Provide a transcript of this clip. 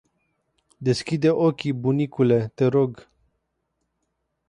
Deschide ochii bunicule te rog.